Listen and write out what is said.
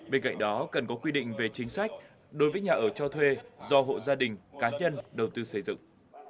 bên cạnh đó cần có quy định về chính sách đối với nhà ở cho thuê do hộ gia đình cá nhân đầu tư xây dựng